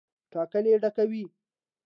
ټانکۍ ډکوي.